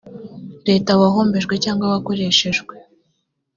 leta wahombejwe cyangwa wakoreshejwe